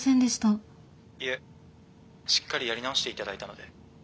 いえしっかりやり直して頂いたので。